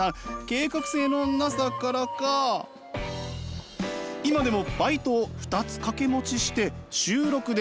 計画性のなさからか今でもバイトを２つ掛け持ちして週６で資金づくり。